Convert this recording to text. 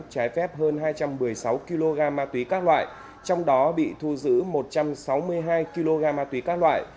trái phép hơn hai trăm một mươi sáu kg ma túy các loại trong đó bị thu giữ một trăm sáu mươi hai kg ma túy các loại